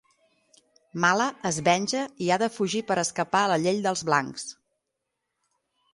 Mala es venja i ha de fugir per escapar a la llei dels blancs.